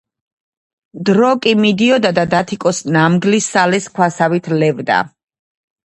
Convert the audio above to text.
დრო კი მიდიოდა და დათიკოს ნამგლის სალეს ქვასავით ლევდა